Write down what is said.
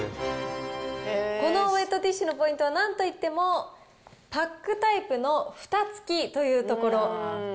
このウエットティッシュのポイントはなんといっても、パックタイプのふた付きというところ。